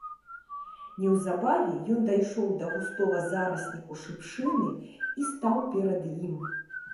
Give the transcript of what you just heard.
Неўзабаве ён дайшоў да густога зарасніку шыпшыны і стаў перад ім.